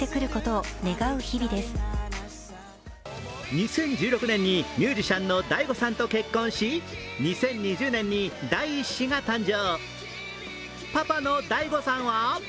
２０１６年にミュージシャンのＤＡＩＧＯさんと結婚し２０２０年に第１子が誕生。